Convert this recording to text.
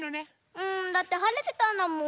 うんだってはれてたんだもん。